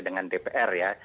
dengan dpr ya